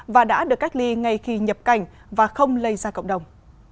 và đã được cách ly ngay khi nhập cảnh và không lây ra cộng đồng